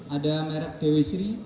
ada merek dewi sri